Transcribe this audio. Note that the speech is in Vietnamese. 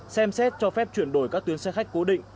xem xét cho phép chuyển đổi các tuyến xe khách cố định